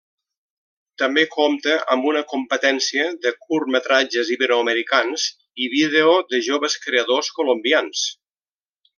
També compta amb una competència de curtmetratges iberoamericans i vídeo de joves creadors colombians.